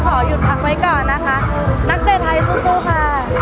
ขอหยุดพักไว้ก่อนนะคะนักเตะไทยสู้ค่ะ